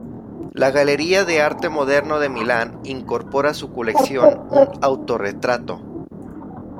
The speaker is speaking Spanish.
La Galería de Arte Moderno de Milán incorpora a su colección un autorretrato.